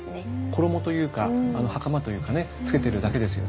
衣というかはかまというかねつけてるだけですよね。